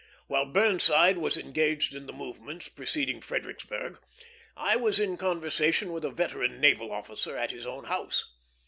While Burnside was engaged in the movements preceding Fredericksburg, I was in conversation with a veteran naval officer at his own house.